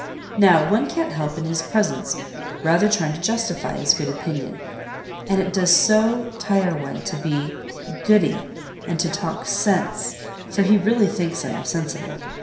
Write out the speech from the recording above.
Now, one can't help, in his presence, rather trying to justify his good opinion; and it does so tire one to be goody, and to talk sense,—for he really thinks I am sensible.